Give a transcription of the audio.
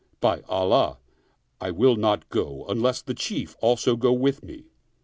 By Allah, I will not go, unless the Chief also go with me.